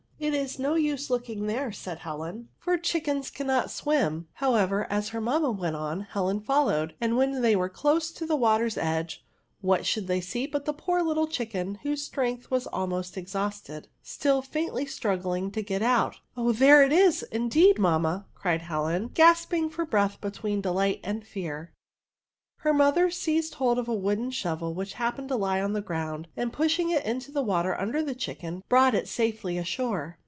" It is no use looking there," said Helen, 48 ARTICLES. for the chicken cannot swim/* HoweTer) as her mamma went on Helen followed ; and when they were close to the water's edge, what should they see but the poor little chicken, whose strei^h was almost exhausted^ still &intly stri^gling to get out. Oh, there it is, indeed, mamma/' cried Helen, gasping for breath between delight and fear. Her mother seized hold of a wooden shorel which happened to lie on the ground, and pushing it into the water under the chicken, brought it safely ashore.